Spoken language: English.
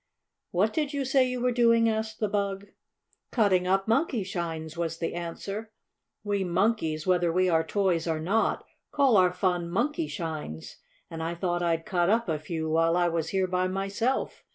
"What did you say you were doing?" asked the bug. "Cutting up Monkeyshines," was the answer. "We Monkeys, whether we are toys or not, call our fun 'Monkeyshines,' and I thought I'd cut up a few while I was here by myself.